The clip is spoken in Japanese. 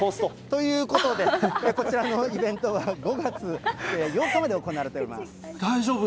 ということで、こちらのイベントは、５月８日まで行われております。